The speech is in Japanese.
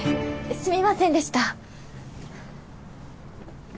すいませんでした。